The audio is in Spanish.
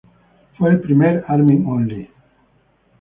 Fue el primer Armin Only.